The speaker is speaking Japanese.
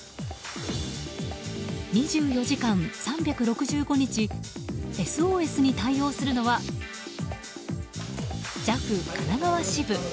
２４時間、３６５日ＳＯＳに対応するのはＪＡＦ神奈川支部。